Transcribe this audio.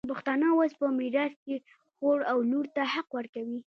پښتانه اوس په میراث کي خور او لور ته حق ورکوي.